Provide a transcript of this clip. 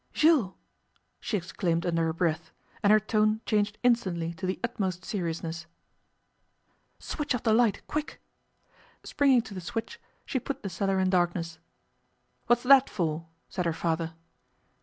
'Jules!' she exclaimed under her breath, and her tone changed instantly to the utmost seriousness. 'Switch off the light, quick!' Springing to the switch, she put the cellar in darkness. 'What's that for?' said her father.